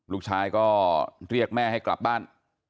ลูกชายก็เรียกแม่ให้กลับบ้าน